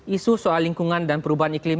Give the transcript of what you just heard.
isu soal lingkungan dan perubahan iklim